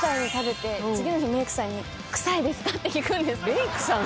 メイクさん